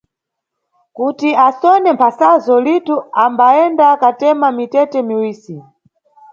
Kuti asone mphasazo, Lito ambayenda katema mitete miwisi.